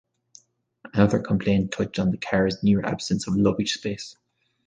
Another complaint touched on the car's near absence of luggage space.